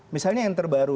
misalnya yang terbaru